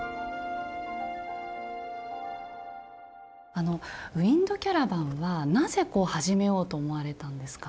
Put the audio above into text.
あのウインドキャラバンはなぜこう始めようと思われたんですか？